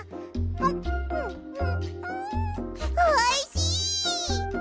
おいしい！